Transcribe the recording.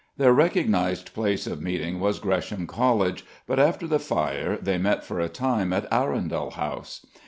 Their recognised place of meeting was Gresham College, but after the fire they met for a time at Arundel House.